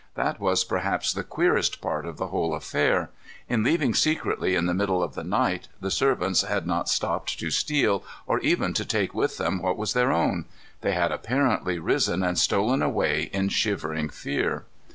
That was perhaps the queerest part of the whole affair. In leaving secretly in the middle of the night, the servants had not stopped to steal, or even to take with them what was their own. They had apparently risen and stolen away in shivering fear.